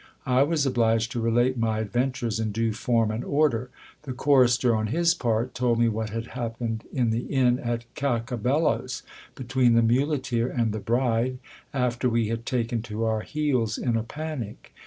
I was obliged to relate my adventures in due form and order. The chorister, on his part, told me what had happened in the inn at Cacabelos, between the muleteer and the bride, after we had taken to our heels in a panic.